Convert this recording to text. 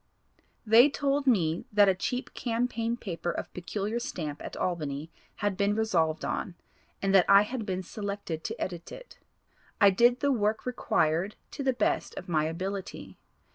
They told me that a cheap campaign paper of peculiar stamp at Albany had been resolved on, and that I had been selected to edit it. I did the work required to the best of my ability.